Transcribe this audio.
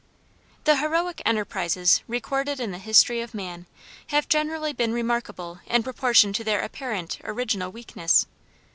The heroic enterprises recorded in the history of man have generally been remarkable in proportion to their apparent original weakness.